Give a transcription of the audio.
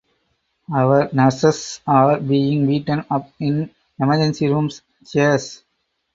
Our nurses are being beaten up in Emergency Rooms (cheers).